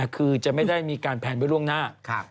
คือจะไม่ได้มีการแพลนไว้ล่วงหน้า